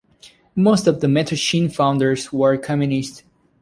Most of the Mattachine founders were communists.